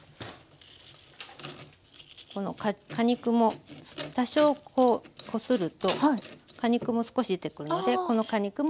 この果肉も多少こうこすると果肉も少し出てくるのでこの果肉も入れて下さい。